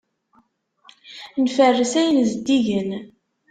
Nferres ayen zeddigen.